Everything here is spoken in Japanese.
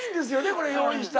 これ用意した。